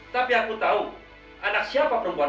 tapi aku tahu anak siapa perempuan